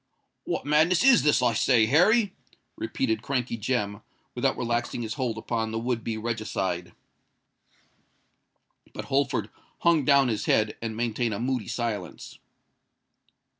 "What madness is this, I say, Harry?" repeated Crankey Jem, without relaxing his hold upon the would be regicide. But Holford hung down his head, and maintained a moody silence.